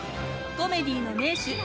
コメディーの名手根本